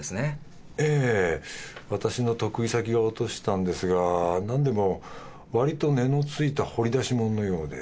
ええ私の得意先が落としたんですがなんでもわりと値のついた掘り出し物のようで。